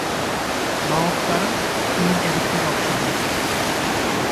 Баобтарың һинең кәбеҫтәгә оҡшаған...